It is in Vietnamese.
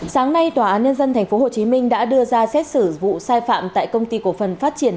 sáng nay tòa nên dân tp hồ chí minh đã đưa ra xét xử vụ sai phạm tại công ty cổ phần phát triển